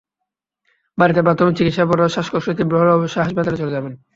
বাড়িতে প্রাথমিক চিকিৎসার পরও শ্বাসকষ্ট তীব্র হলে অবশ্যই হাসপাতালে চলে যাবেন।